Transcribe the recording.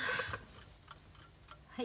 はい。